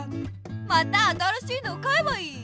また新しいのを買えばいい！